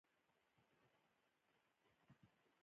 ساره که له وجوده وړه ده، خو په تول پوره ده.